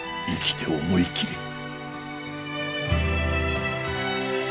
生きて思い切れ。